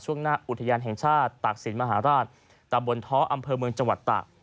หน้าอุทยานแห่งชาติตากศิลปมหาราชตำบลท้ออำเภอเมืองจังหวัดตาก